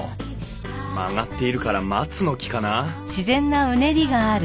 曲がっているから松の木かな？